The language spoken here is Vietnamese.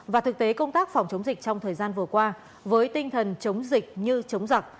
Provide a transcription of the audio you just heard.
và thực tế công tác phòng chống dịch trong thời gian vừa qua với tinh thần chống dịch như chống giặc